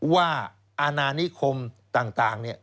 ว่าอาณานิคมต่างเนี่ย